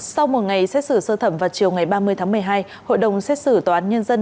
sau một ngày xét xử sơ thẩm vào chiều ngày ba mươi tháng một mươi hai hội đồng xét xử tòa án nhân dân